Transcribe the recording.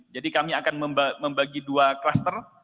jadi kami akan membagi dua kluster